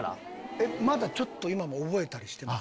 まだちょっと今も覚えたりしてます？